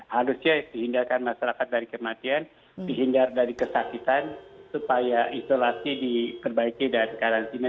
harusnya dihindarkan masyarakat dari kematian dihindar dari kesakitan supaya isolasi diperbaiki dan karantina